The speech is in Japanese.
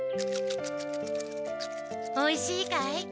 おいしいかい？